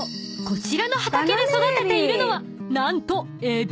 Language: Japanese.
こちらの畑で育てているのは何と］